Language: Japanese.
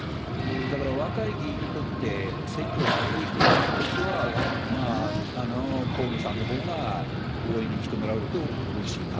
だから若い議員にとって、選挙が危うい人たちにとっては、河野さんのほうが応援に来てもらうとうれしいなと。